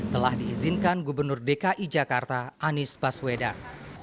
telah diizinkan gubernur dki jakarta anies baswedan